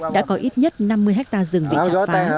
đã có ít nhất năm mươi hectare rừng bị chặt phá